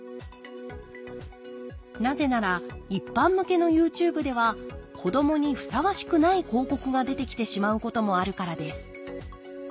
なぜなら一般向けのＹｏｕＴｕｂｅでは子どもにふさわしくない広告が出てきてしまうこともあるからです。